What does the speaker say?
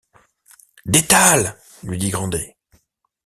Détale! lui dit Grandet.